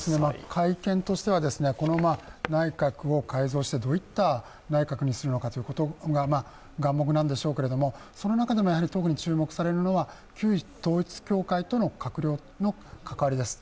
会見としては、内閣を改造してどういった内閣にするのかということが眼目なんでしょうけれども、その中でも注目されるのは、旧統一教会との閣僚の関わりです。